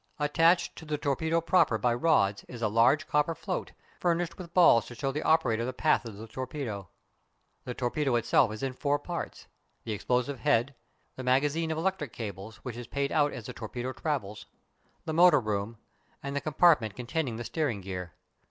Attached to the torpedo proper by rods is a large copper float, furnished with balls to show the operator the path of the torpedo. The torpedo itself is in four parts: the explosive head; the magazine of electric cables, which is paid out as the torpedo travels; the motor room; and the compartment containing the steering gear.